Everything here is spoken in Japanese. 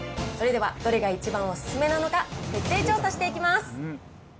それではどれが一番お勧めなのか、徹底調査していきます！